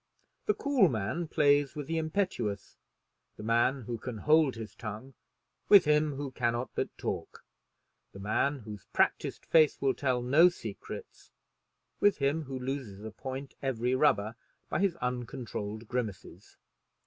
The cool man plays with the impetuous; the man who can hold his tongue with him who cannot but talk; the man whose practised face will tell no secrets with him who loses a point every rubber by his uncontrolled grimaces.